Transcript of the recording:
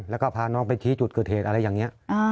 แล้วก็พาน้องไปชี้จุดเกิดเหตุอะไรอย่างนี้